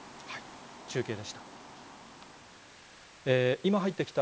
中継でした。